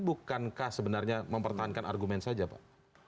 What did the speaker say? bukankah sebenarnya mempertahankan argumen saja pak